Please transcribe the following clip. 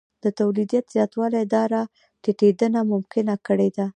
د تولیدیت زیاتوالی دا راټیټېدنه ممکنه کړې ده